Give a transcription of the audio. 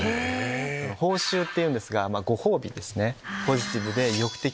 報酬っていうんですがご褒美ですね。